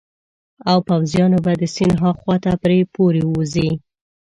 او پوځیان به د سیند هاخوا ته پرې پورې ووزي.